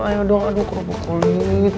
ayo dong aduh kurkuk kulit